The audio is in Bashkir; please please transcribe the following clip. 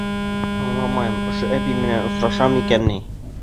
Аңламайым, ошо әбей менән осрашамы икән ни?